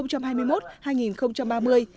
thời kỳ hai nghìn hai mươi hai nghìn hai mươi hai